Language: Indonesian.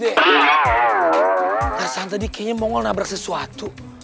terusan tadi kayaknya mongol nabrak sesuatu